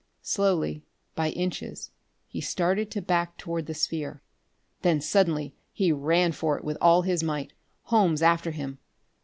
Slowly, by inches, he started to back toward the sphere; then suddenly he ran for it with all his might, Holmes after him.